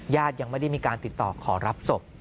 ยังไม่ได้มีการติดต่อขอรับศพ